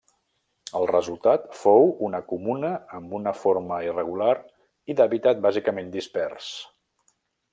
El resultat fou una comuna amb una forma irregular i d'hàbitat bàsicament dispers.